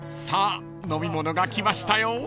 ［さあ飲み物が来ましたよ］